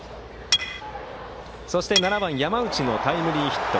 そして７番、山内のタイムリーヒット。